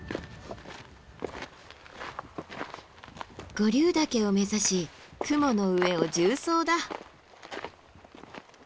五竜岳を目指し雲の上を縦走だ。